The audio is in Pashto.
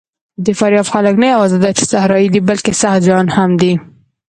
د فاریاب خلک نه یواځې دا چې صحرايي دي، بلکې سخت جان هم دي.